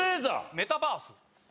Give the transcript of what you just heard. メタバース。